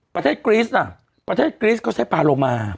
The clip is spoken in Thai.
ประเทศกรี๊สนะประเทศกรี๊สก็ใช้ปาโลมา